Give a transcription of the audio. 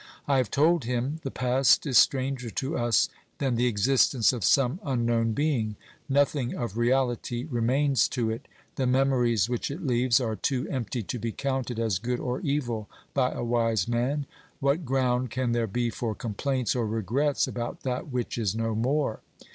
I have told him :" The past is stranger to us than the existence of some unknown being ; nothing of reality remains to it ; the memories which it leaves are too empty to be counted as good or evil by a wise man. What ground can there be for complaints or regrets about that which is no more?